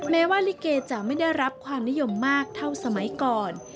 แม้ว่าลิเกจะไม่ได้รับความนิยมมากเท่าสมัยก่อน